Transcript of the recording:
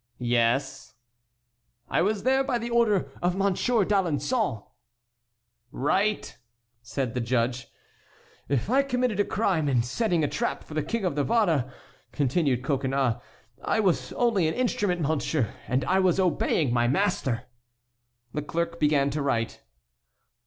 "Yes." "I was there by order of Monsieur d'Alençon." "Write," said the judge. "If I committed a crime in setting a trap for the King of Navarre," continued Coconnas, "I was only an instrument, monsieur, and I was obeying my master." The clerk began to write.